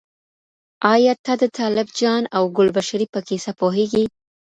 ایا ته د طالب جان او ګلبشرې په کیسه پوهیږې؟